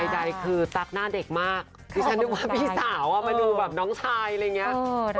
ใดคือตั๊กหน้าเด็กมากดิฉันนึกว่าพี่สาวมาดูแบบน้องชายอะไรอย่างนี้